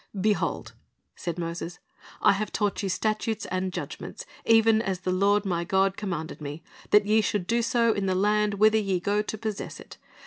"Behold," said Moses, "I have taught you statutes and judgments, even as the Lord my God commanded me, that ye should do so in the land whither ye go to possess it.